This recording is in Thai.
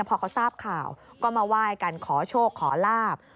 พอเขาทราบข่าวก็มาไหว้กันขอโชคขอลาบ